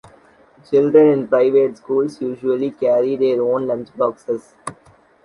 Children in private schools usually carry their own lunch boxes.